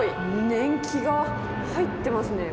年季が入ってますね。